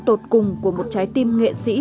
tột cùng của một trái tim nghệ sĩ